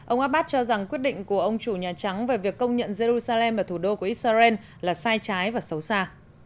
ông abbas cho rằng quyết định của ông chủ nhà trắng về việc công nhận jerusalem ở thủ đô của israel là sai trái và xấu xa